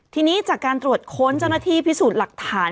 ทีนี้จากการตรวจค้นเจ้าหน้าที่พิสูจน์หลักฐาน